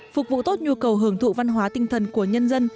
phục vụ tốt nhu cầu hưởng thụ văn hóa tinh thần của nhân dân